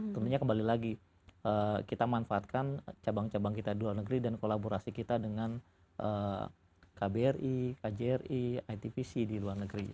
tentunya kembali lagi kita manfaatkan cabang cabang kita di luar negeri dan kolaborasi kita dengan kbri kjri itvc di luar negeri